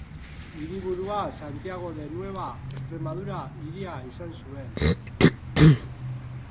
Hiriburua Santiago de Nueva Extremadura hiria izan zuen.